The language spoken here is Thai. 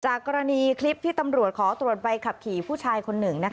กรณีคลิปที่ตำรวจขอตรวจใบขับขี่ผู้ชายคนหนึ่ง